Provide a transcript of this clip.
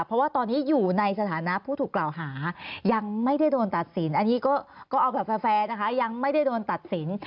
เพราะว่าตอนนี้อยู่ในสถานะผู้ถูกกล่าวหายังไม่ได้โดนตัดสินอันนี้ก็เอาแบบแฟร์นะคะยังไม่ได้โดนตัดสิน